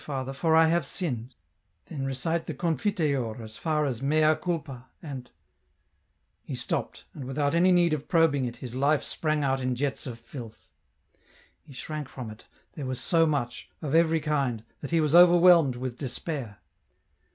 Father, for I have sinned ;' then recite the Confiteor as far as mea culpa ... and ..." He stopped, and without any need of probing it his life sprang out in jets of filth. He shrank from it, there was so much, of every kind, that he was overwhelmed with despair.